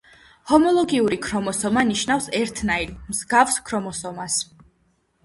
ჰომოლოგიური ქრომოსომა ნიშნავს ერთნაირ, მსგავს ქრომოსომას.